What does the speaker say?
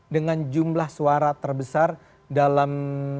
dengan jumlah suara terbesar dalam